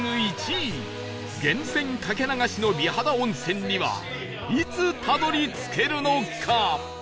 １位源泉掛け流しの美肌温泉にはいつたどり着けるのか？